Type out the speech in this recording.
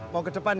mau ke depan ya